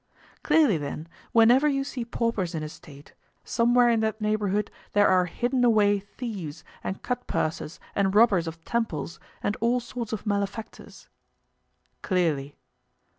Clearly then, whenever you see paupers in a State, somewhere in that neighborhood there are hidden away thieves, and cut purses and robbers of temples, and all sorts of malefactors. Clearly.